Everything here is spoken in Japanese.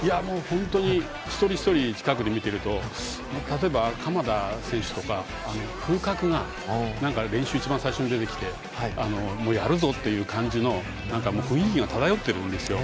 本当に一人一人近くで見ていると例えば、鎌田選手とか風格が、練習一番最初に出てきてやるぞ！という感じの雰囲気が漂っているんですよ。